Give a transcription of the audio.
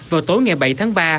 vào tối ngày bảy tháng ba